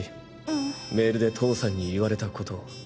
メールで父さんに言われた事を。